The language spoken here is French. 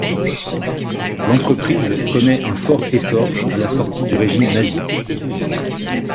L'entreprise connaît un fort essor à la sortie du régime nazi.